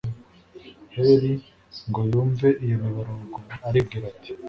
heli ngo yumve iyo miborogo, aribwira ati